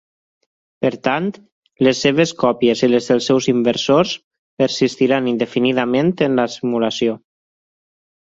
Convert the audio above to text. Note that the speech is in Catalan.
Per tant, les seves còpies i les dels seus inversors persistiran indefinidament en la simulació.